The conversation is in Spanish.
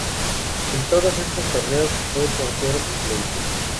En todos estos torneos fue portero suplente.